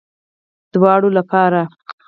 دواړو لپاره